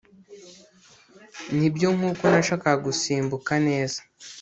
Nibyo nkuko nashakaga gusimbuka neza